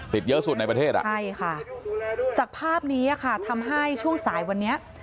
ติดเยอะสุดในประเทศอ่ะใช่ค่ะจากภาพนี้ค่ะทำให้ช่วงสายวันนี้